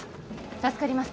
助かります